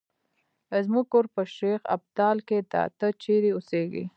زمونږ کور په شیخ ابدال کې ده، ته چېرې اوسیږې؟